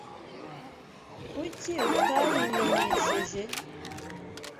Kuki utabimenyesheje?